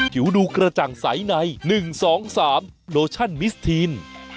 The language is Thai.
ผิวดูกระจ่างใสใน๑๒๓โลชั่นมิสทีน